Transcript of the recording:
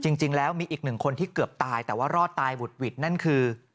จริงแล้วมีอีกหนึ่งคนที่เกือบตายแต่ว่ารอดตายบุดหวิดนั่นคือ